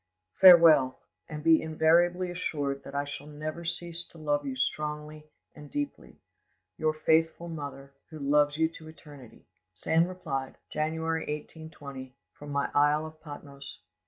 "Farewell, and be invariably assured that I shall never cease to love you strongly and deeply. "Your faithful mother, who loves you to eternity." Sand replied:— January 1820, from my isle of Patmos.